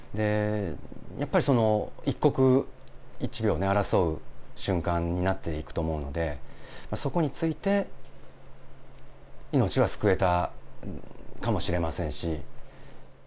やっぱり一刻一秒を争う瞬間になっていくと思うので、そこについて、命は救えたかもしれませんし。